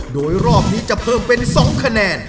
โดยรอบนี้จะเพิ่มเป็น๒คะแนน